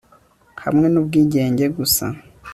hamwe nubwigenge gusa